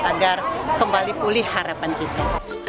agar kembali pulih harapan kita